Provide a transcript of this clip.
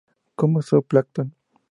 Come zoo plancton.